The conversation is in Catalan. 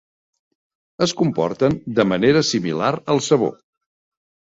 Es comporten de manera similar al sabó.